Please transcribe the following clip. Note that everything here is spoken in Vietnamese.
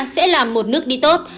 sẽ làm một nước đi tốt